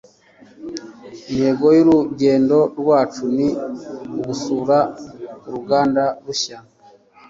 Intego y'urugendo rwacu ni ugusura uruganda rushya.